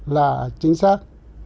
là chính xác